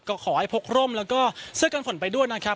ก็ขอให้พกร่มแล้วก็เสื้อกันฝนไปด้วยนะครับ